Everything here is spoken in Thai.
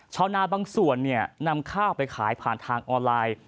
ชาวนาบางส่วนนำข้าวไปขายผ่านทางออนไลน์